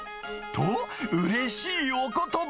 と、うれしいおことば。